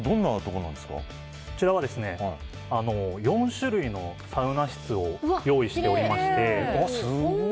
こちらは４種類のサウナ室を用意しておりまして。